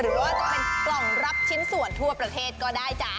หรือว่าจะเป็นกล่องรับชิ้นส่วนทั่วประเทศก็ได้จ๊ะ